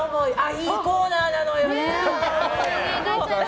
いいコーナーなのよね。